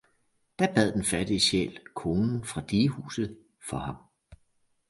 Da bad den fattige sjæl, konen fra digehuset, for ham.